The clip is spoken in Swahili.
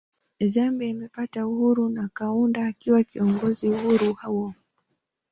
Zambia imepata uhuru na Kaunda akiwa kiongozi uhuru huo